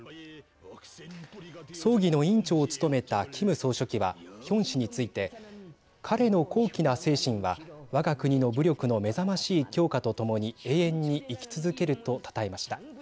葬儀の委員長を務めたキム総書記は、ヒョン氏について彼の高貴な精神はわが国の武力のめざましい強化とともに永遠に生き続けるとたたえました。